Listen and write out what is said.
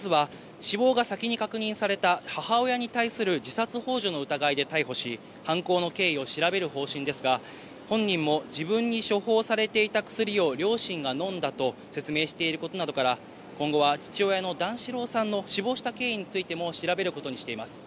警視庁は死亡した両親のうち、まずは死亡が先に確認された母親に対する自殺ほう助の疑いで逮捕し、犯行の経緯を調べる方針ですが、本人も自分に処方されていた薬を両親が飲んだと説明していることなどから、今後は父親の段四郎さんの死亡した経緯についても調べることにしています。